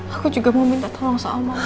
aku juga mau minta tolong sama aku